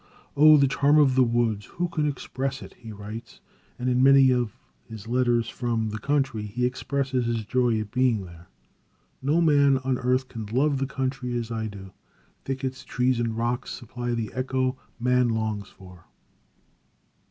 "Oh, the charm of the woods, who can express it!" he writes, and in many of his letters from the country, he expresses his joy at being there. "No man on earth can love the country as I do. Thickets, trees and rocks supply the echo man longs for."